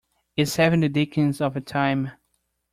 It's having the dickens of a time.